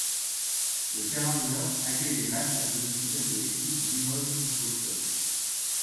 Le terrain d'honneur accueille les matches à domicile de l'équipe du Limoges Football Club.